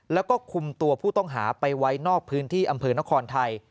แล้วก็คุมตัวผู้ต้องหาไปไว้นอกพื้นที่อำเภอนครไทย